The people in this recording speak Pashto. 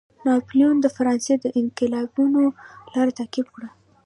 ناپلیون د فرانسې د انقلابینو لار تعقیب کړه.